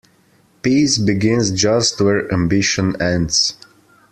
Peace begins just where ambition ends.